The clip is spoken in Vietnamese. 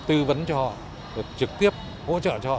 tư vấn cho họ trực tiếp hỗ trợ cho họ